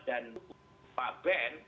dan pak ben